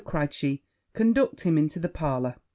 cried she, 'conduct him into the parlour.'